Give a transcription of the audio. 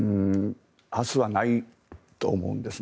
明日はないと思うんです。